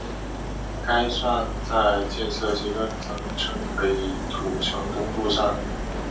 该站在建设阶段曾称北土城东路站。